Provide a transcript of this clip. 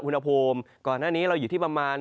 อุณหภูมิก่อนหน้านี้เราอยู่ที่ประมาณ